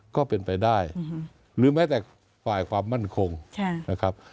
ก็เป็นไปได้หรือแม้แต่ฝ่ายความมั่นคงนะครับ